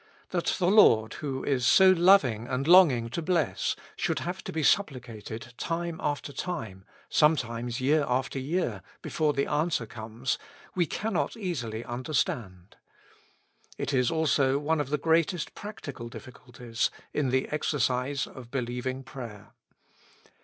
That the Lord, who is so loving and longing to bless, should have to be supplicated time after time, some times year after year, before the answer comes, we can not easily understand. It is also one of the greatest practical difficulties in the exercise of believing prayer.